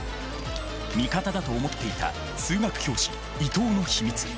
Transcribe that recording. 味方だと思っていた数学教師伊藤の秘密。